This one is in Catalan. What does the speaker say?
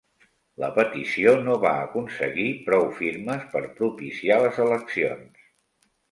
La petició no va aconseguir prou firmes per propiciar les eleccions.